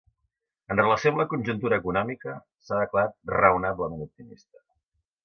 En relació amb la conjuntura econòmica, s’ha declarat ‘raonablement optimista’.